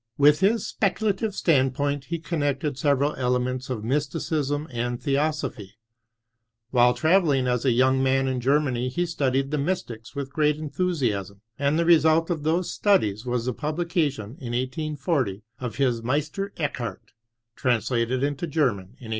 With his speculative standpoint he con nected several elements of mysticism and the osoj^y. While travelling as a young man in Qermany he studied the mystics with great enthusiasm, and the result of those studies was the publication, in 1840, of his MeUter Eckari, translated into (German in 1842.